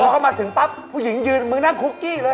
พอเข้ามาถึงปั๊บผู้หญิงยืนมึงนั่งคุกกี้เลย